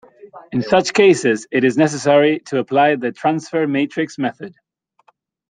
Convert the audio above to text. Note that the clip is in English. In such cases it is necessary to apply the Transfer-matrix method.